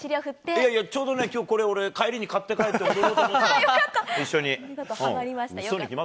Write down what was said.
いやいや、ちょうどね、これ、俺、帰りに買って帰ろうと思ってた。